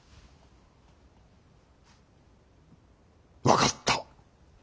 分かった。